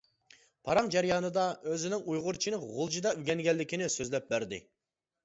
پاراڭ جەريانىدا ئۆزىنىڭ ئۇيغۇرچىنى غۇلجىدا ئۆگەنگەنلىكىنى سۆزلەپ بەردى.